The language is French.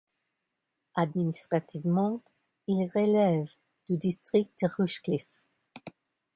Administrativement, il relève du district de Rushcliffe.